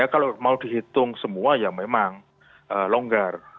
kalau mau dihitung semua ya memang longgar